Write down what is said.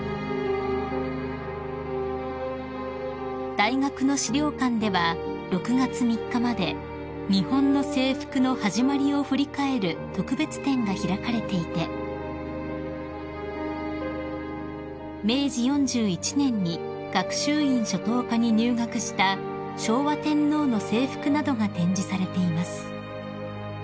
［大学の史料館では６月３日まで日本の制服の始まりを振り返る特別展が開かれていて明治４１年に学習院初等科に入学した昭和天皇の制服などが展示されています］